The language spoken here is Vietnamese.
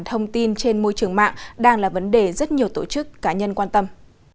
thông tin trên môi trường mạng đang là vấn đề rất nhiều tổ chức cá nhân quan tâm